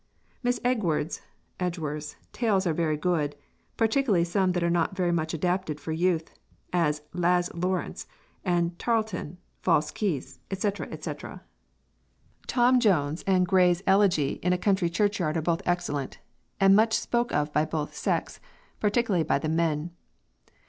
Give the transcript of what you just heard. "Miss Egward's [Edgeworth's] tails are very good, particularly some that are very much adapted for youth (!) as Laz Laurance and Tarelton, False Keys, etc., etc." "Tom Jones and Gray's Elegey in a country churchyard are both excellent, and much spoke of by both sex, particularly by the men."